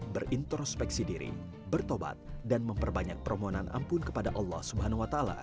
berintrospeksi diri bertobat dan memperbanyak permohonan ampun kepada allah swt